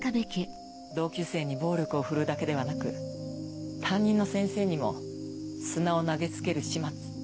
同級生に暴力を振るうだけではなく担任の先生にも砂を投げ付ける始末。